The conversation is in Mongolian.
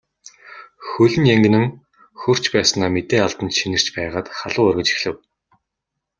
Хөл нь янгинан хөрч байснаа мэдээ алдан чинэрч байгаад халуу оргиж эхлэв.